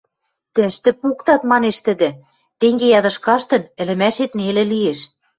Тӹштӹ пуктат, — манеш тӹдӹ, — тенге ядышт каштын, ӹлӹмӓшет нелӹ лиэш...